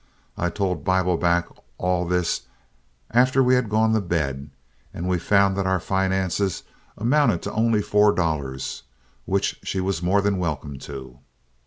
I told Bibleback all this after we had gone to bed, and we found that our finances amounted to only four dollars, which she was more than welcome to.